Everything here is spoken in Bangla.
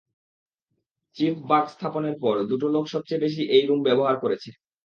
চীফ, বাগ স্থাপনের পর দুটো লোক সবচেয়ে বেশি এই রুম ব্যবহার করেছে।